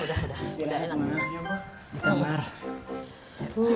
udah enak udah